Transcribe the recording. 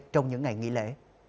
trong những ngày nghỉ lễ